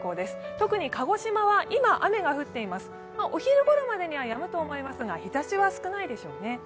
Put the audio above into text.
特に鹿児島は今、雨が降っていますお昼頃までにはやむと思いますが、日ざしは少ないでしょうね。